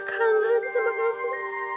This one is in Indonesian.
aku tak kangen sama kamu